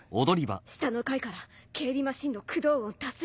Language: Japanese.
下の階から警備マシンの駆動音多数。